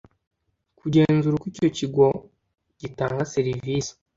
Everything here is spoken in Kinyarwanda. kugenzura uko icyo kigo gitanga serivisi